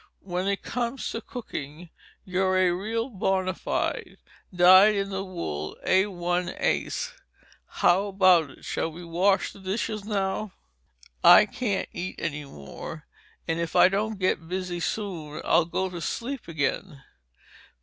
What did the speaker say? "When it comes to cooking, you're a real, bona fide, died in the wool, A 1 Ace! How about it—shall we wash the dishes now?" "I can't eat any more, and if I don't get busy soon, I'll go to sleep again."